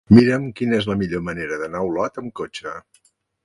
Mira'm quina és la millor manera d'anar a Olot amb cotxe.